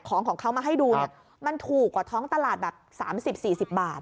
ของเขามาให้ดูเนี่ยมันถูกกว่าท้องตลาดแบบ๓๐๔๐บาท